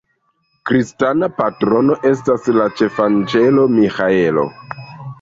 Kristana patrono estas la ĉefanĝelo Miĥaelo.